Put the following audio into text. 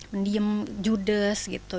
pendiam judes gitu